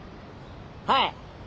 はい！